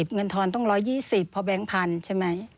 เงินทอนต้อง๑๒๐เพราะแบงค์พันธุ์ใช่ไหม